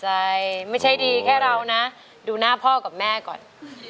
ใช่ไม่ใช่ดีแค่เรานะดูหน้าพ่อกับแม่ก่อน